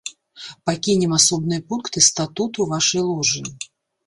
Пакінем асобныя пункты статуту вашай ложы.